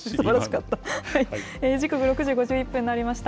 時刻は６時５１分になりました。